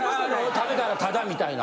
食べたらタダみたいな？